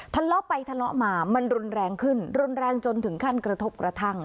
ทะเลาะไปทะเลาะมามันรุนแรงขึ้นรุนแรงจนถึงขั้นกระทบกระทั่ง